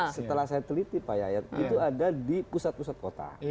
setelah saya teliti pak yayat itu ada di pusat pusat kota